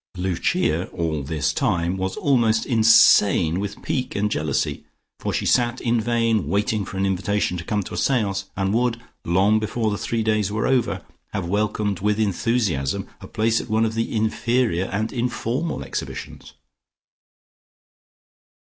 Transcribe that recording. Lucia, all this time, was almost insane with pique and jealousy, for she sat in vain waiting for an invitation to come to a seance, and would, long before the three days were over, have welcomed with enthusiasm a place at one of the inferior and informal exhibitions.